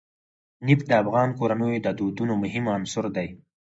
نفت د افغان کورنیو د دودونو مهم عنصر دی.